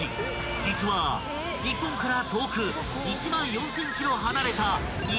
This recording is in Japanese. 実は日本から遠く１万４，０００ｋｍ離れた］